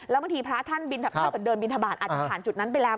แล้วบางทีพระท่านถ้าเกิดเดินบินทบาทอาจจะผ่านจุดนั้นไปแล้ว